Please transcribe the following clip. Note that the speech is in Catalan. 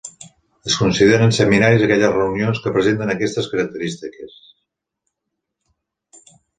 Es consideren seminaris aquelles reunions que presenten aquestes característiques.